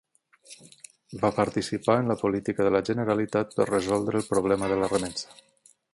Va participar en la política de la Generalitat per resoldre el problema de la remença.